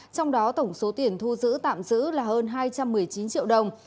trong đó tổng số tiền thu giữ tạm giữ là hơn hai trăm một mươi chín triệu đồng